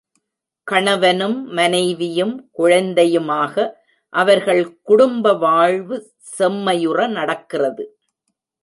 கணவனும் மனைவியும் குழந்தையுமாக அவர்கள் குடும்பவாழ்வு செம்மையுற நடக்கிறது.